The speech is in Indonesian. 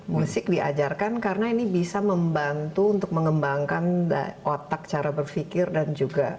musik diajarkan karena ini bisa membantu untuk mengembangkan otak cara berpikir dan juga